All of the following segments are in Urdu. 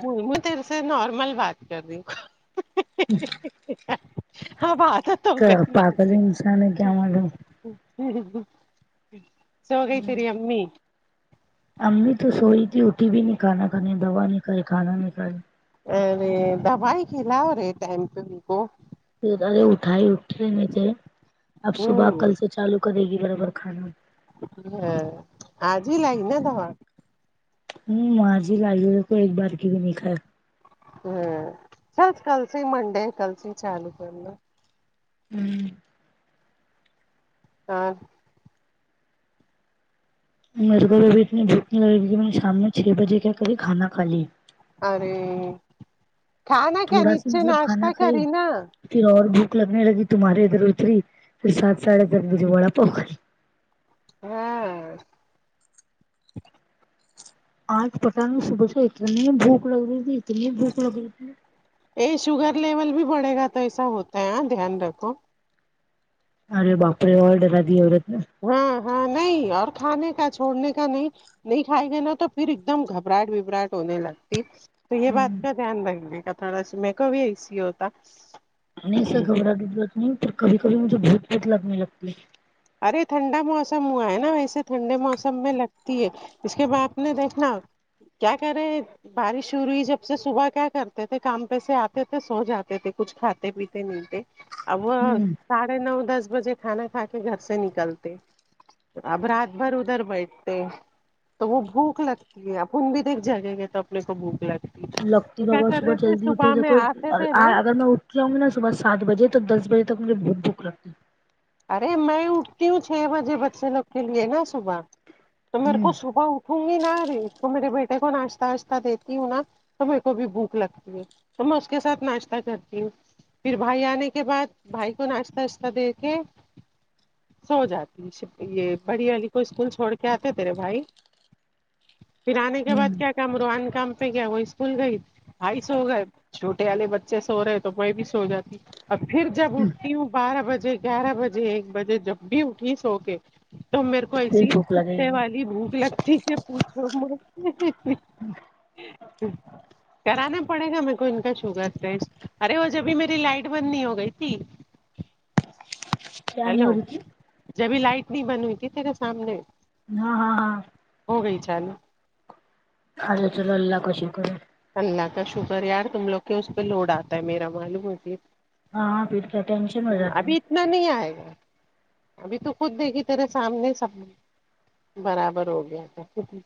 ہم میں تیرے سے نارمل بات کر رہی ہوں ہاں باتت کیا پااکلی انسان ہے کیا معلوم ہوں سوگئیی تیری امی امی تو سوئی تھی اٹھی بھی نہیں کھانا کنے دا نہیں کیں کھانا نہیں کائے ا رے دوای کھلاو رے ٹائم تو ان کو ارے اٹھائی اٹھے نہیں تھے اپ صبح ہمم کل سے چالو کرے گی برابر کھانا اںہ آج ہی لگ نا دوا ہوں آج ہی لائیے کو ایک بار کی بھی نہیں کھاے ہاں چل کل سے منڈے ہے کل سے چالو کرنا ہوں ہاں مجبوری بھی اتنی بھوک نہیں لگے گی کہ میں نے شام میں چھ بجے کیا قریب کانا کھالی ارے کھانا کیا تھوڑا سی نچے مطلب کھانا ناشتہ کھائی کری نا پھر اور بھوک لگنے لگی تمہارے ادھر اتری پھر سات سارے سات بجے وہاں پہ کھالی ہاں آج پٹہ نیہں صبح سے اتنی بھوک لگ رہی تھی اتنی بھوک لگ رہی تھی اے شوگر لیول بھی بڑے گا تو ایسا ہوتا ہے ہاں دھیان رکھو ارے باپڑے اور ڈر ادی عورت نے ہاں ہاں نہیں اور کھانے کا چھوڑنے کا نہیں نہیں کھائے گئے نا تو پھر ایک دم گھبراہٹ وبراہٹ ہونے لگتی تو یہ بات کا دھیان رکھینے گا تھوڑا سا میں کو بھی ایس ہی ہوتا نہیں گھبرہٹ نہیں تو کبھی کبھی مجھے بھت بھوک لگنے لگتی ارے ٹھنڈا موسم ہوا ہے نا ویسے ٹھنڈے موسم میں لگتی ہے اس کے بعد میں دیکھنا کیا کر رہے ہیں بارش شروع ہوئی جب سے صبح کیا کرتے تھے کام پےسے آتے تھے سو جاتے تھے کچھ کھاتے پیتے نلتے اب وہ ہے ساڑھے نو دس بجے کھانا کھا کے گھر سے نکلتے اب رات بھر ادھر بیٹھتے تو وہ بھوک لگتی ہےاپون بھی دیکھ جاگیں گے تو اپنے کو بھوک لگتی ہے لکتی تو کیا مگر کر صبح رہے تھے جلدی اٹھو صبح میں دیکو آتے تھے نا اگر میں اوٹھ کیوں نا صبح سات بجے تک تو دس بجے تک مجھے بہت بھوک لگتی ہے ارے میں اٹھتی ہوں چھ بجے بچے لوگ کے لیے نا صبح تو میرے ہوں کو صبح اٹھ ہوں گی نہ ری تو میرے بیٹے کو ناشتہ واشتہ دیتی ہوں نا تو میرے کو بھی بھوک لگتی ہے تو میں اس کے ساتھ ناشتہ کرتی ہوں پھر بھائی آنے کے بعد بھائی کو ناشتہ واشت دے کے سو جاتی ہون بڑی والی کو اسکول چھوڑ کے آتے تیرے بھائی پھر آنے کے بعد کیا ہوں کام روحان کام تو کیا وہ اسکول گئی ائی سو گئے چھوٹے والے بچے سو رہے تو میں بھی سو جاتی اب پھر جب اٹھتی ہوں بارہ بجے گیارہ بجے ایک بجے جب بھی اٹھی سو کے تو میرے کو پھر ایسی بھوک لگے کتے گی والی بھوک لگتی جب پوچھو مم ہی ہی کرانا پڑے گا میر کو ان کا شوگر ٹیسٹ ارے وہ جبھی میری لائٹ بند نی ہو گئی تھی کیا نہیں ہیلو ہو رہی تھی جبھی لائٹ نہیں بن ہوئی تھی تیرے سامنے ہاں ہاں ہاں ہو گئی چا لو ارے چلو اللہ کا شکر ہے اللہ کا شکر ہے یار تم لوگ کے اس پہ لوڈ آتا ہے میرا معلوم ہے ہاں ہاں پھر کیا ٹینشن ہو جاتی ابھی اتنا نہیں آئے گا ابھی تو خود دیکھی تیرے سامنے سب برابر ہو گیا تھا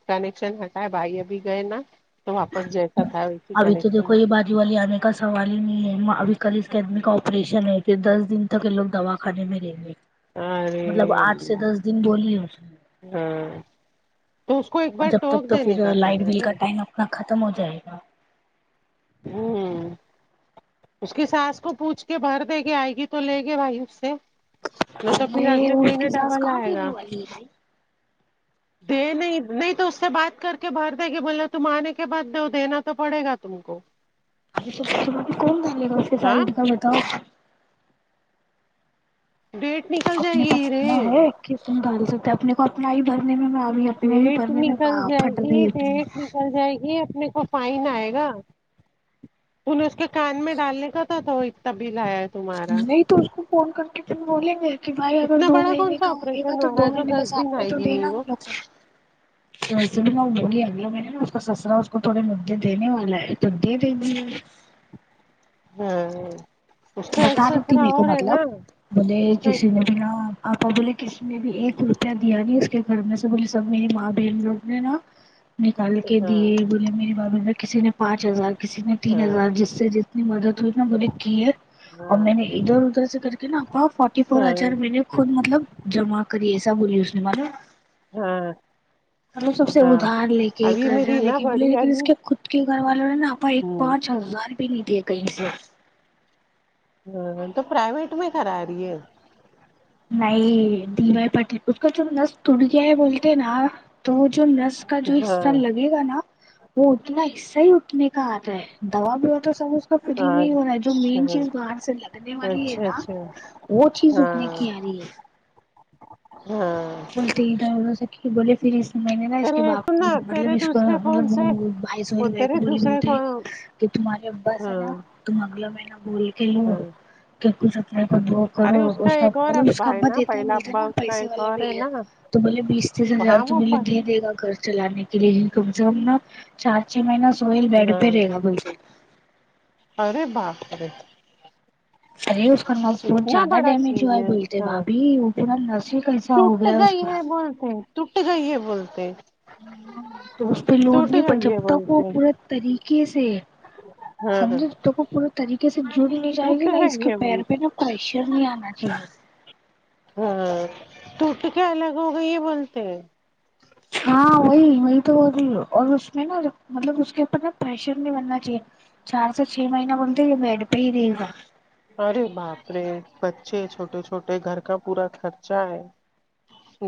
کنیکشن ہٹائے بھائی ابھی گئے نا تو واپس جا پتا ہو ابھی تو دیکھو یہ بات ولی آنے کا سوال ہی نہیں ہے ابھی کل اس کے آدمی کا آپریشن ہے پھر دس دن ت لوگ دوا خانے میں رہیں گے مطلب ارے آٹھ سے اللہ دس دن بولی ہے اس نے ہاں تو اس کو ایک بار ٹوک دینے کا تھا نا رے نا ختم ہو جائے گا ج ہوں اس کی ساس کو پوچھ کے بھر دے گی آئے گی تو لے گے بھائی اس سے نہیں تو پھر ارے اگلے اس کے مہینے ساس ڈبل کہاں آئے پنے گا والی ہے دے نہیں نہیں تو اس سے بات کر کے بھر دے گی بولے تم آنے کے بد دو دینا تو پڑے گا تم کو اچا تمہ نے کون ڈالے گا اس کے ہاں سائز کا بتاؤ ڈیٹ نی اپنے پاس اتنا ہے کہ تم ڈال سکتے اپنے کو اپنا آئی بھرنے میں آپ ڈیٹ نکل جائے گی تم ڈیٹ نکل جائے گی اپنے کو فائن آئے گا انہیں اس کے کان میں ڈالنے کا تھا تو ایک طبیل آیا تمہارا نہیں تو اس کو فون کر کے پھر بولیں گے کہ بھائی اگر اتنا دو بڑا مہینے کون سا کا ہوگا آپریشن تو ہو رہا دو ہے جو مہینے کا دس ساتھ دن میں آئے تو گی نہیں دینا ہم وہ لوگ کو تو بھی بوی آ گیا میں نے نا اس کا سسرا اس کو تھوڑے مدے دینے والا ہے تو دے دینے ہاں اس کا ایک بتا رہی تھی سسرا میر کو اور ہے مطلب نا ارے بے کسی ہاں نے بنا آپا بولے کس نے بھی ایک روپیہ دیا نہیں اس کے گھر میں سے بولے سب میری ماں بہن لوگ نے نا ہاں نکال کے ہاں دیے بولے میری بات کسی نے پانچ ہزار کسی نے تین ہزار جس سے جت تنی مدد ہوئی نا ملک کی ہے اور ہاں میں نے ادھر ادھر سے کر کے نا اپ فورٹی فور ہاں ہجار میںنے خود مطلب جمع کری ایسا بولی اس نے معلوم ہاں سلو سب سے ہاں ادھار لے کے ابھی قرضہ میری لے نا کے بولے بڑی لیکن اس والی کے خود کے گھر والوں نے نا آ ایک ہوں پانچ ہزار بھی نہیں دیے کہیں سے ہ تو پرائیویٹ میں کررا رہی ہے نہیں ڈ بائی پٹیل اس کا جو نس ٹٹ گیا ہے بولتے نا تو وہ جو نس کا جو حصہ ہاں لگے گا نا وہ اتنا حصہ ہی نے کا آتا ہے دوا بھی ہو تو سب اس کا فری میں ہاں ہی ہو رہا ہے جو اچھا مین چیز باہر سے لگ ہے نے والی ہے اچھا نا اچھا وہ چیز اٹنے ہاں کیی ارہی ہے ہاں [unintelligible] سے بولے پھر میں نے نا اس کے تیرے باپ کو سننا مطلب تیرے اس کو دوسرے مطلب فون سے بھائی وہ سہل بھائی تیرے کو بی دوسرے ملتی فون کہ تمہارے اباس ہاں نا تم اگلا مہینہ بول کے لو ہاں کیا کچھ اپنے کو ارے کرو اس کا ایک اور مطلب اس کا ابا نا دیتا ہے پہلا ب [unintelligible] ابا اور اس کا پیسے ایک والے اور ہے نا تو بلے بیس تیس ہزار وہاں تو وہ ملے پر دیے دے گا گھر چلانے کے لیے کم سے کم نا چار چھ مہینہ سوہیل بیڈ ہاں پہ رہے گا بالکل ارے باپ رے ارے اس کا نس بہت اتنا زیادہ بڑا ڈیمیج ہوا سین ہے بولتے بھابھی وہ پورا نس ہو تٹ گیا اس گئی کا ہے بولتے تٹ گئی ہے بولتے ہاں تو اس پہ لوٹ ٹوٹ نہیں پاتی گئی ہے جب تک کو بولتے ہیں پورے طریقے سے ہاں سمجھو تو کو پورے طریقے سے جڑ نہیں جائے ٹوٹ گی نا اس گئی کے ہے پیر پہ بولتے نا پریشر نہیں آنا چاہیے ہاں توٹ کیا الگ ہوگائی بولتے ہیں ہاں وہی وہی تو اور اس میں نا مطلب اس کے اوپر نا پریشر نہیں بننا چاہیے چار سے چھ مہینہ بولتے یہ بیڈ پہ ہی رہے گا ارے باپ رے بچے ہے چھوٹے چھوٹے گھر کا پورا خرچہ ہے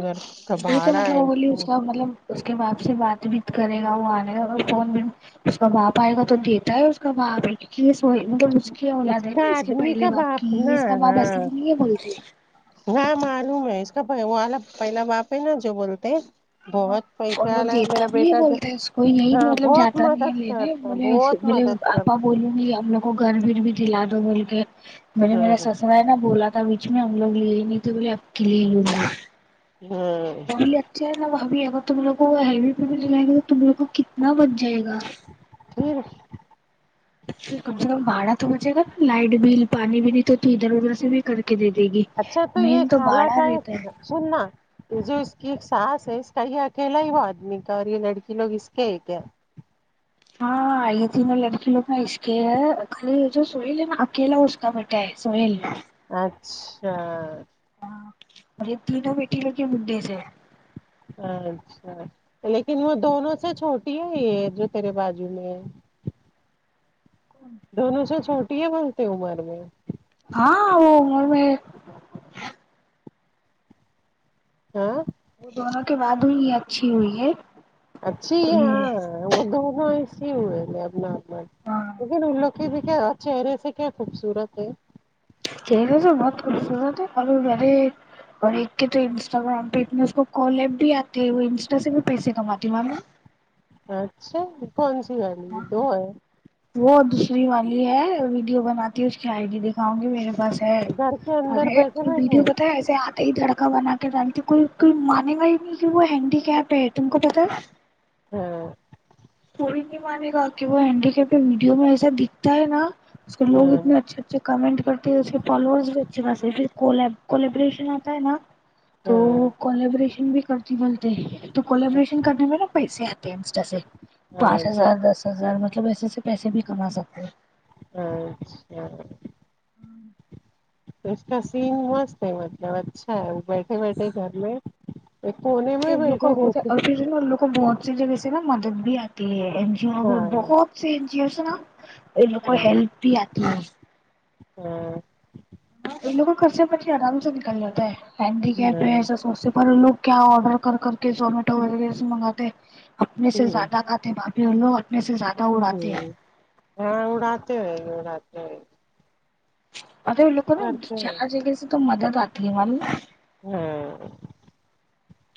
گھر کا وہ تو بھاڑا مطلب ہے وہ بولی کو اس کا مطلب اس کے باپ سے بات چھیت کرے گا وہ آنے گا اور فون بھی اس کا باپ ائے گا تو دیتا ہے اس کا باپ یہ سو مطلب اسکی اولاد ہے نا اس کے آدمی پہلے کا باپ کی یہ نا اس کا باپ ہاں اصلی نئی ہے بولتے ہاں معلوم ہے اس کا وہ آ پہلا باپ ہے نا جو بولتے ہیں بہت اور پیسے وہ والا ہے دیتا میرا بھی ہے بیٹا جو بولتے ہیں اس کو یہی ہاں مطلب بہت جاتا نہیں ہے مدد لینے کرتا بولے بہت بولے مدد کر آپا بولوں گی ہم لوگ کو گھر بھیھر بھی دلا دو بول کے میں نے ہاں میرا سسرا ہے نا بولا بیچ میں ہم لوگ لیے ہی نہیں تھے بولے اب کے لیے ہی لوں گا ہوں وہ بھی اچھے ہے نا وہ بھی اگر تم لوگ کو ہیوی پی لگائیں گے تو تم لوگ کو کتنا بچ جائے گا یہ اچھا کم سے کم بھدا تو بچ جائے گا نا لائٹ بل پانی بھی نہیں تو تو ادھر ادھر سے بھی کر کے دے دے گی اچھا تو یے مین کھانا باڑا کہ رہتا ہے سن نہ یہ جو اس کی ساس ہے اس کا یہ اکیلا ہی وہ آدمی کا اور یہ لڑکی لوگ اس کے ہے کیا ہاں آے تینوں لڑکی لو کا اس کے ہے خالی یے جو سوہیل ہے نا اکیلا اس کا بیٹا ہے سوہیل اچھا م تینوں بیٹھی ل کے [unintelligible] سے اچھا لیکن وہ دونوں سے چھوٹی ہے یہ جو تیرے بازو میں ہے دونوں سے چھوٹی ہے بولتے عمر میں ہاں وہ عمر میں ہاں وہ دونوں کے بعد ہوئی ہے اچھی ہوئی ہے اچھی یہ ہاں وہ دونوں ایسے ہی ہوئے لے اپنا اپن ہاں لیکن ان لوگ کی بھی کیا چہرے سے کیا خوبصورت ہے چہرے سے بہت خوبصورت ہے اور وہ وہی اور ایک کے تو انسٹاگررام پہ اتنے اس کو کولاب بھی آتے ہے وہ انسٹا سے بھی پیسے کماتے ہے معلوم ہے اچھا کونسی والی یہ دو ہے وہ دوسری والی ہے ویڈیو بناتی ہے اس کی آئی ڈی دکھاونگی میرے پاس گھر کے اندر ارے بیٹھے بیٹھے ویڈیو پتا ہے ایسے ایک لڑکا بنا کر ڈالی تھی کوئی کوئی مانے گا ہی نہیں کہ و ہینڈی کیپ ہے تم کو پتا ہے ہاں کوئی نہیں مانے گا کہ وہ ہینڈی کیپ ہے ویڈیو میں ایسا دکھتا ہے نا اس لوگ ہاں اتنا اچھے کمنٹ کرتی ہے اس کے فولویرس بھی اچھے خاصے ہے پھر کولاب کلابریشن ہوتا ہے نا تو کولیبریشن بھی کرتی بولتے تو کولیبریشن کرنے میں نا پیسے آتے ہاں پانچ ہزار دس ہزار مطلب ایسے سے پیسے بھی کما سکتے ہیں ہاں اچھا اس کا سین مست ہے مطلب اچھا ہے وہ بیٹھے بیٹھے گھر میں ایک کونے میں ہی ان لوگ کا بیٹھی ہوتا ہے، رہیتی اور پھر ان لوگوں کو بہت سی جگہ سے نا مدد بھی آتی ہے این جی او بھی ہاں بہت یں جی او سے نا ان کو ہیلپ بھی آتی ہے [unintelligible] ہاں ان لوگوں خرچ پنچھی آرام سے نکل جاتا ہے ہینڈی کیپ ہے ہاں ایسا سوچتے پر ان لوگ کیا آڈر کر کر کے زومیٹو وغیرہ سے منگاتے اپنے سے ہاں زیادہ کھاتے بات لو اپنے سے زیادہ اڑاتے ھمم ہیں ہاں اڑاتے ہہیں اڑاتے ہیں مطلب ان لوگ کو نا کرتے ہیں چار جگہ سے تو مدد آتی ہے معلوم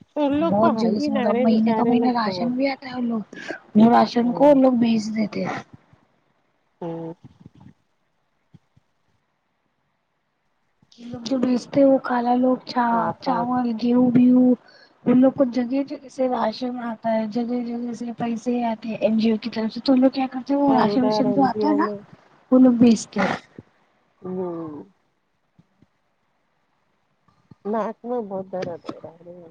ہاں تو ان لوگ کو بہت ہے جگے ہی سے مطلب نارے مہینے کا بچارے مہینہ لوگ کو راشن بھی آتا ہے لوگ راشن کو ہوں لوگ بھیج دیتے ہیں یہ لوگ جو بھیجتے ہیں وہ کلا لوگ آتا چاول گیہوں ہم لوگ کو جگہ جگہ سے راشن آتا ہے جگہ جگہ سے پیسے آتے ہیں این جی او کی طرف سے تو لوگ کیا کرتے ہیں وہ ادھر راشن ادھر واشن جو این جی آتا ہے او نا میں وہ لوگ بھیچتے ہیں ہوں نک میں بہت درد ہو رہاہے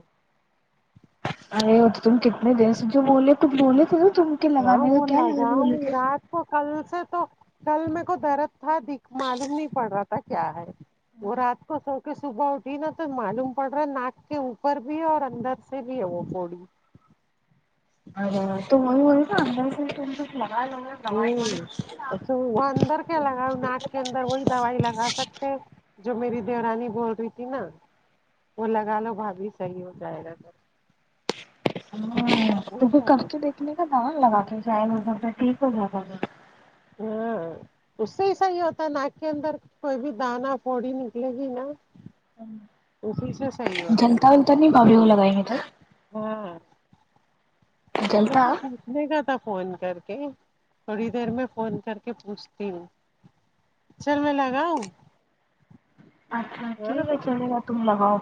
ارے وہ تو تم کتنے دن سے جو بولے تو بولے تھے نا تم کے ہاں لگانے کا وہ کیا لگانے لگاؤں بولے گی تھے رات کل سے تو کل میں کو درد تھا معلوم نہیں پڑ رہا تھا کیا ہے وہ رات کو سو صبح اٹھی نا تو معلوم پڑ رہا ناک کے اوپر بھی ہے اور اندار سے بھی ہے وہ پوڑی ارے تم بولے تھے اندار سے ہ دوائی ووائی وہ اندر کیا لگاؤ ناک کے اندار وہی دوائی لگا سکتے جو میری دیورانی بول رہی تھی نا وہ لگا لو بھابھی صحیح ہو جائے گا ان وہی کو کہہ رہے کر کے ہیں دیکھنے کا تھا لگا کے شاید ہو سکتا ٹھیک ہو جاتا ہاں اس سے ہی صحیح ہوتا ہے ناک کے اندار کوئی بھی دانہ پھوڑی نکلے گی نا اسی سے صحیح ہوتا جلتا ولتا تو نہیں بھابھی وہ لگانگے تو ہاں ان لوگ کو جلتا پوچھ پوچھنے کا تھا فون کر کے تھوڑی دیر میں فون کر کے پوچھتی ہوں چل میں لگاؤ اچھا ٹھیک ہے چلے گا تم لگاؤ